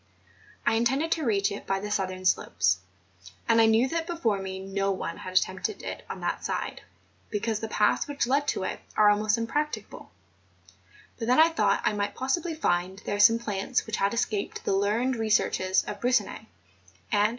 I intended to reach it by the southern slopes; and I knew that before me no one had attempted it on that side, because the paths which lead to it are almost impracticable; but then I thought I might possibly find there some plants which had escaped the learned researches of Broussonnet, and of Ch.